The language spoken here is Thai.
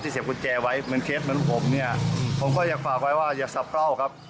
เสียบกุญแจไว้เหมือนเคสเหมือนผมเนี่ยผมก็อยากฝากไว้ว่าอย่าสะเป้าครับ